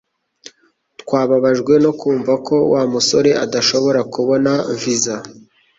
Twababajwe no kumva ko Wa musore adashobora kubona visa